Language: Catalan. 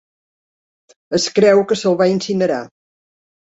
Es creu que se'l va incinerar.